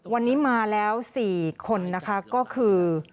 วันนี้มาแล้ว๔คนนะคะก็คือ